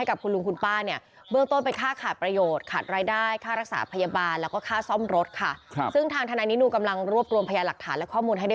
คือมันเป็นไภที่มันเราก็ม่อลงใหม่และแล้วจะ